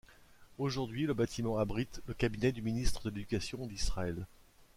Aujourd'hui, le bâtiment abrite le cabinet du Ministre de l'Education d'Israël.